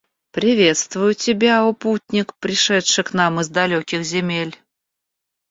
Приветствую тебя, о путник, пришедший к нам из далёких земель.